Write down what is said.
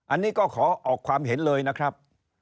อันนี้ก็ขอออกความเห็นเลยนะครับ